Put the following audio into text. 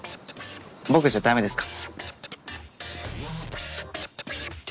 僕じゃダメですか？